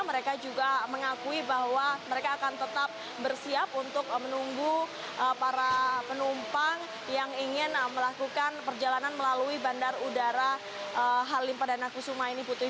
mereka juga mengakui bahwa mereka akan tetap bersiap untuk menunggu para penumpang yang ingin melakukan perjalanan melalui bandara udara halim perdana kusuma ini putri